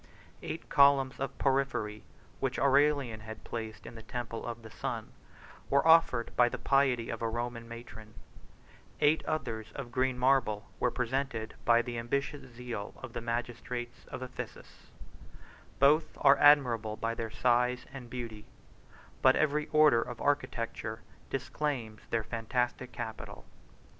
Eight columns of porphyry, which Aurelian had placed in the temple of the sun, were offered by the piety of a Roman matron; eight others of green marble were presented by the ambitious zeal of the magistrates of Ephesus: both are admirable by their size and beauty, but every order of architecture disclaims their fantastic capital.